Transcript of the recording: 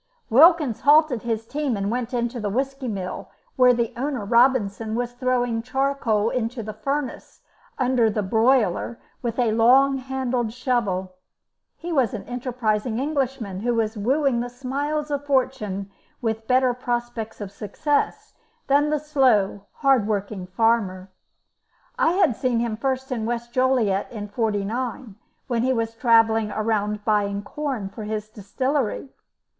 Wilkins halted his team and went into the whisky mill, where the owner, Robinson, was throwing charcoal into the furnace under his boiler with a long handled shovel. He was an enterprising Englishman who was wooing the smiles of fortune with better prospects of success than the slow, hard working farmer. I had seen him first in West Joliet in '49, when he was travelling around buying corn for his distillery.